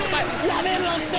やめろって！